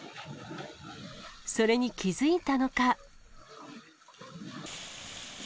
それに気付いたのか。